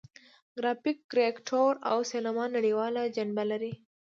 ګرافیک، کاریکاتور او سینما نړیواله جنبه لري.